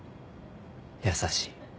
優しい。